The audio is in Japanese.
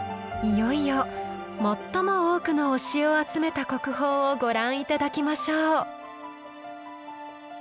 いよいよ最も多くの推しを集めた国宝をご覧頂きましょう。